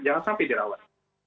jangan sampai dirawat